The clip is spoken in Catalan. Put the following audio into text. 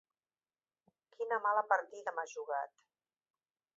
Quina mala partida m'has jugat!